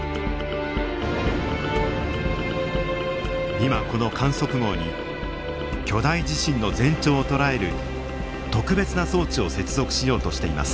今この観測網に巨大地震の前兆を捉える特別な装置を接続しようとしています。